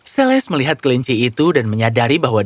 celeste melihat kelinci itu dan menyadari bahwa dia juga bisa menanyakan